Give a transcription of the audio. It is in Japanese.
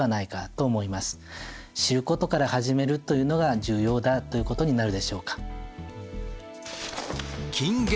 知ることから始めるというのが重要だということになるでしょうか。